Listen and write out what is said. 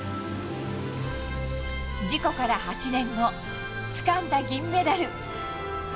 事故から８年後、掴んだ銀メダル。